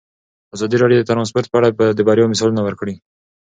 ازادي راډیو د ترانسپورټ په اړه د بریاوو مثالونه ورکړي.